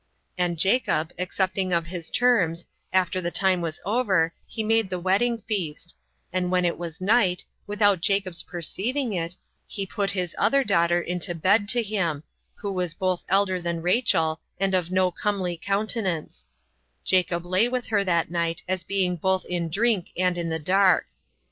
And Jacob, accepting of his terms, after the time was over, he made the wedding feast; and when it was night, without Jacob's perceiving it, he put his other daughter into bed to him, who was both elder than Rachel, and of no comely countenance: Jacob lay with her that night, as being both in drink and in the dark.